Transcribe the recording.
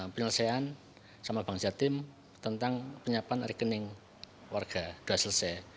penyelesaian sama bank jatim tentang penyiapan rekening warga sudah selesai